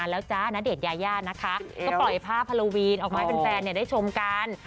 แล้วจ๊ะณเดชน์ยายานะคะก็ปล่อยภาพฮาโลวีนออกมาให้แฟนได้ชมกัน